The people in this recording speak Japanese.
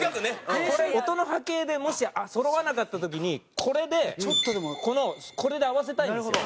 これ音の波形でもしそろわなかった時にこれでこのこれで合わせたいんですよ。